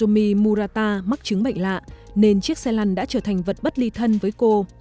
mi murata mắc chứng bệnh lạ nên chiếc xe lăn đã trở thành vật bất ly thân với cô